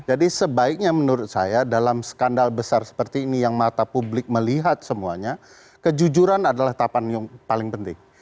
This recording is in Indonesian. jadi sebaiknya menurut saya dalam skandal besar seperti ini yang mata publik melihat semuanya kejujuran adalah tapak yang paling penting